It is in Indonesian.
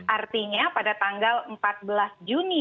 artinya pada tanggal empat belas juni dua ribu dua puluh dua